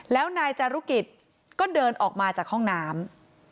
แล้วนายจารุกิจก็เดินออกมาจากห้องน้ำ